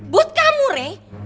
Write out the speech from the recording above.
buat kamu rey